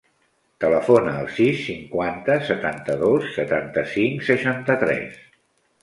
Telefona al sis, cinquanta, setanta-dos, setanta-cinc, seixanta-tres.